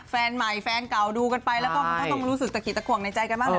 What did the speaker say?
แฟนใหม่แฟนเก่าดูกันไปแล้วก็ต้องรู้สึกตะขิดตะขวงในใจกันมากเลย